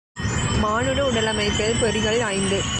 மானுட உடலமைப்பில் பொறிகள் ஐந்து.